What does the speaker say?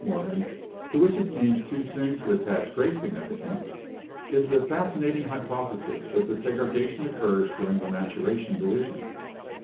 Morgan, "to which it seems too soon to attach great significance, is the fascinating hypothesis that the segregation occurs during the maturation division.